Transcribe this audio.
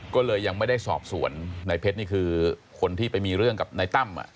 ก็เลยยังไม่ได้สอบสวนนายเพชรนี่คือคนที่ไปมีเรื่องกับนายตั้ม